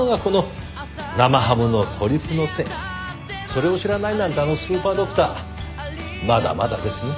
それを知らないなんてあのスーパードクターまだまだですね。